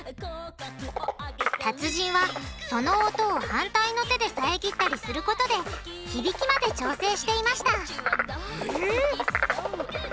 達人はその音を反対の手で遮ったりすることで響きまで調整していましたえ？